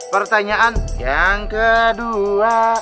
pertanyaan yang kedua